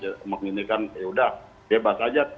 tapi menggunakan yaudah bebas saja